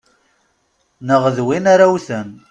Neɣ d win ara wten.